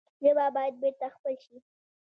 ژبه باید بېرته خپل شي.